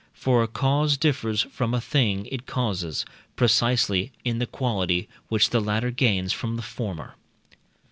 For a cause differs from a thing it causes, precisely in the quality which the latter gains from the former.